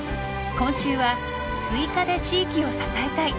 今週はスイカで地域を支えたい！